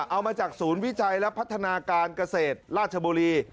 เอามาจากศูนย์วิจัยและพัฒนาการเกษตรราชบุรี